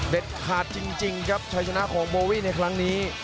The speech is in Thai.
ขาดจริงครับชัยชนะของโบวี่ในครั้งนี้